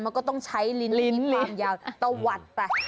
มันก็ต้องใช้ลิ้นที่มีความยาวตะวัดไป